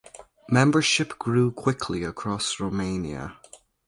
Membership grew quickly across Romania.